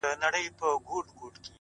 قاتل ژوندی دی. مړ یې وجدان دی.